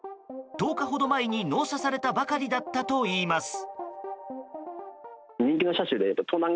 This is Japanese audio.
１０日ほど前に納車されたばかりだったといいます。